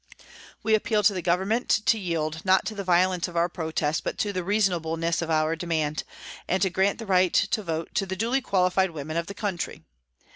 " We appeal to the Government to yield, not to the violence of our protest, but to the reasonableness of our demand, and to grant the vote to the duly qualified women of the country.